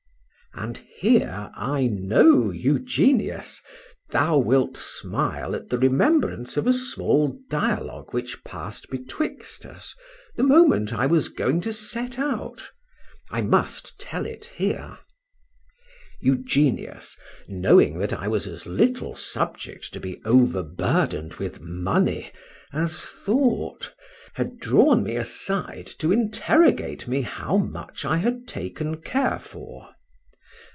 — —And here, I know, Eugenius, thou wilt smile at the remembrance of a short dialogue which passed betwixt us the moment I was going to set out:—I must tell it here. Eugenius, knowing that I was as little subject to be overburden'd with money as thought, had drawn me aside to interrogate me how much I had taken care for.